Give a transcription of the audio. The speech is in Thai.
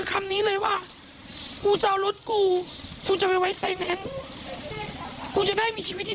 เขาบอกว่ามึงก็โอนไหมกู